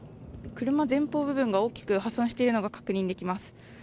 車前方部分が大きく破損しているのが確認できます。